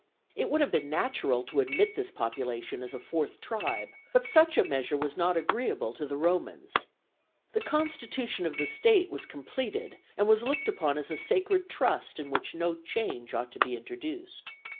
It would have been natural to admit this population as a fourth tribe, but such a measure was not agreeable to the Romans: the constitution of the state was completed and was looked upon as a sacred trust in which no change ought to be introduced.